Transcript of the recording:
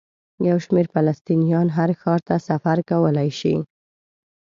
یو شمېر فلسطینیان هر ښار ته سفر کولی شي.